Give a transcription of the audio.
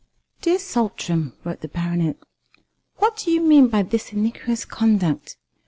"DEAR SALTRAM" (wrote the Baronet), "What do you mean by this iniquitous conduct?